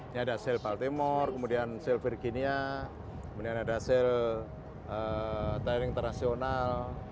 ini ada sel baltimore kemudian sel virginia kemudian ada sel tiring terasional